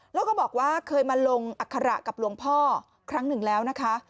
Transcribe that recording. แล้วก็บอกว่าเคยมาลงอัคระกับหลวงพ่อครั้งหนึ่งแล้วนะคะ